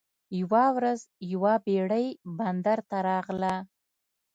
یوه ورځ یوه بیړۍ بندر ته راغله.